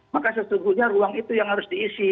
maka sesungguhnya ruang itu yang harus diisi